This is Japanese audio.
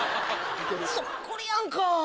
そっくりやんか。